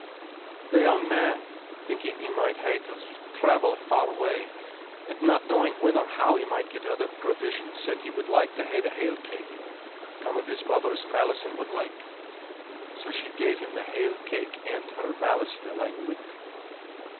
The young man, thinking he might hae to travel a far way, and not knowing when or how he might get other provisions, said he would like to hae the hale cake, com of his mother's malison what like; so she gave him the hale cake, and her malison alang wi't.